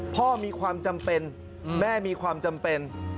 พ่อมีความจำเป็นแม่มีความจำเป็น